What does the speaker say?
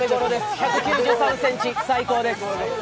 １９３ｃｍ、最高です。